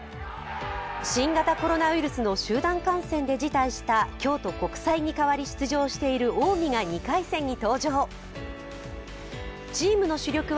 新型コロナウイルスの集団感染で辞退した京都国際に代わり出場している近江が２回戦に出場。